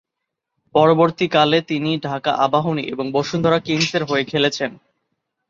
পরবর্তীকালে, তিনি ঢাকা আবাহনী এবং বসুন্ধরা কিংসের হয়ে খেলেছেন।